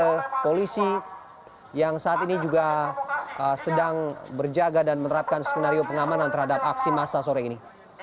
ini belakang berikade polisi yang saat ini juga sedang berjaga dan menerapkan skenario pengamanan terhadap aksi masa sore ini